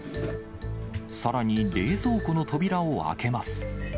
さらに冷蔵庫の扉を開けます。